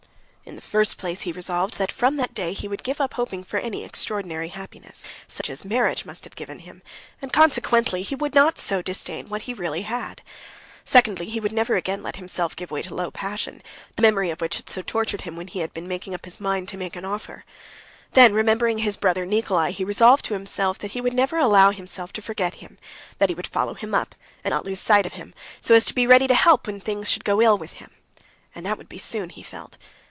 In the first place he resolved that from that day he would give up hoping for any extraordinary happiness, such as marriage must have given him, and consequently he would not so disdain what he really had. Secondly, he would never again let himself give way to low passion, the memory of which had so tortured him when he had been making up his mind to make an offer. Then remembering his brother Nikolay, he resolved to himself that he would never allow himself to forget him, that he would follow him up, and not lose sight of him, so as to be ready to help when things should go ill with him. And that would be soon, he felt.